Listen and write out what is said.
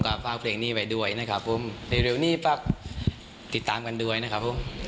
ก็ฝากเพลงนี้ไปด้วยนะครับผมเร็วนี้ฝากติดตามกันด้วยนะครับผม